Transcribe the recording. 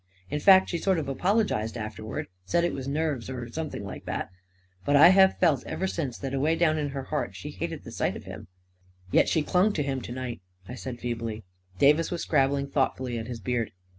In fact, she sort of apologized afterwards — said it was nerves, or something like that But I have felt ever since that, A KING IN BABYLON 305 away down in her heart, she hated the sight of him." " Yet she clung to him to night," I said, feebly. Davis was scrabbling thoughtfully at his beard.